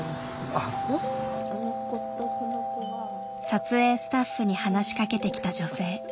撮影スタッフに話しかけてきた女性。